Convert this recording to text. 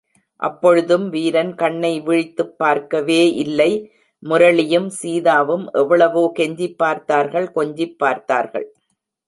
அப்பொழுதும் வீரன் கண்னை விழித்துப் பார்க்கவே இல்லை முரளியும் சீதாவும் எவ்வளவோ கெஞ்சிப் பார்த்தார்கள் கொஞ்சிப் பார்த்தார்கள்.